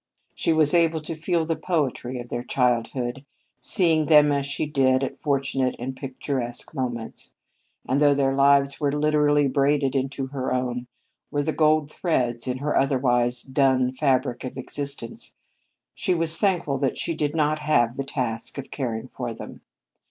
She was able to feel the poetry of their childhood, seeing them as she did at fortunate and picturesque moments; and though their lives were literally braided into her own, were the golden threads in her otherwise dun fabric of existence, she was thankful that she did not have the task of caring for them.